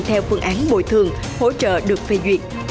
theo phương án bồi thường hỗ trợ được phê duyệt